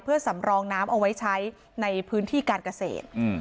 เพื่อสำรองน้ำเอาไว้ใช้ในพื้นที่การเกษตร